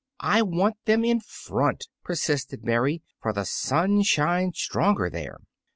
"I want them in front," persisted Mary, "for the sun shines stronger there."